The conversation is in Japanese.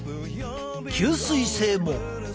吸水性も。